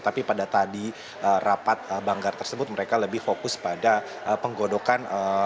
tapi pada tadi rapat banggar tersebut mereka lebih fokus pada penggodokan